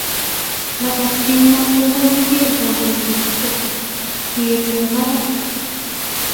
Lagat kemoi ko kokigere kogelik kongete parak